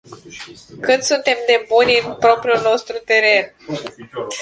Cât suntem de buni în propriul nostru teren?